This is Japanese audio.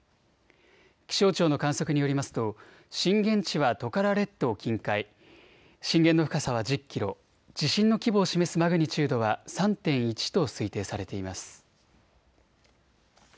気象庁の観測によりますと震源地はトカラ列島近海、震源の深さは１０キロ、地震の規模を示すマグニチュードは３．１と推定されています。